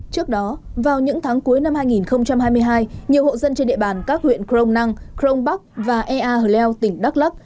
trước đó vào những tháng cuối năm hai nghìn hai mươi hai nhiều hộ dân trên địa bàn các huyện crong năng crong bắc và ea hờ leo tỉnh đắk lắc